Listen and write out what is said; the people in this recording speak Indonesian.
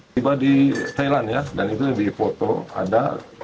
tiba di thailand ya dan itu di foto ada